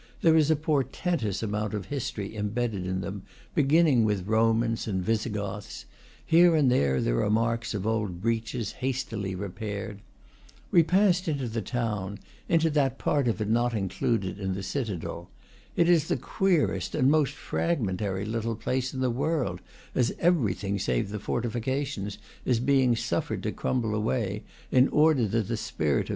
There is a por tentous amount of history embedded in them, begin ning with Romans and Visigoths; here and there are marks of old breaches, hastily repaired. We passed into the town, into that part of it not included in the citadel. It is the queerest and most fragmentary little place in the world, as everything save the fortifications is being suffered to crumble away, in order that the spirit of M.